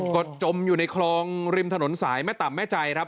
ก็จมอยู่ในคลองริมถนนสายแม่ต่ำแม่ใจครับ